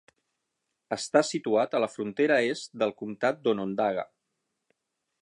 Està situat a la frontera est del comtat d'Onondaga.